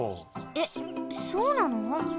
えっそうなの？